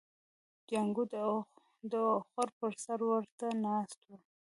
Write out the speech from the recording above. جانکو د اخور پر سر ورته ناست و.